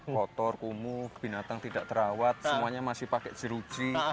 kotor kumuh binatang tidak terawat semuanya masih pakai jeruji